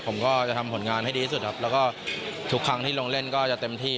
ผมก็จะทำผลงานให้ดีที่สุดครับแล้วก็ทุกครั้งที่ลงเล่นก็จะเต็มที่